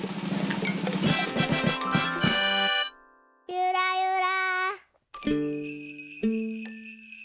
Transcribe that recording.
ゆらゆら。